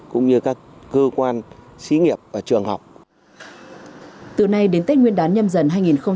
cũng như các cơ quan xí nghiệp và trường học từ nay đến tết nguyên đán nhâm dần hai nghìn hai mươi